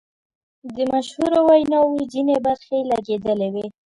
د مشهورو ویناوو ځینې برخې لګیدلې وې.